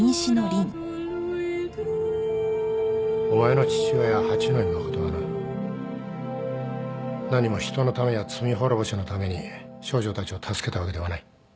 お前の父親八野衣真はな何も人のためや罪滅ぼしのために少女たちを助けたわけではない。